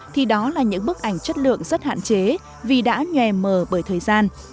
thì đó là những bức ảnh chất lượng rất hạn chế vì đã nhòe mờ bởi thời gian